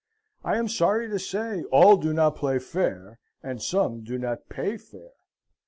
I am sorry to say all do not play fair, and some do not pay fair.